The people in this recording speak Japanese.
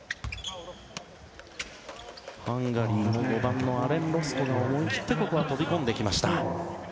ハンガリーの５番のアレン・ロスコ思い切って飛び込んでいきました。